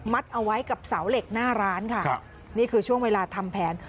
เอาไว้กับเสาเหล็กหน้าร้านค่ะครับนี่คือช่วงเวลาทำแผน